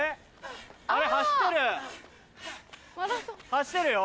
走ってるよ。